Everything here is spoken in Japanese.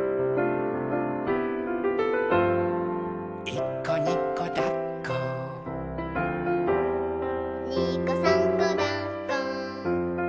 「いっこにこだっこ」「にこさんこだっこ」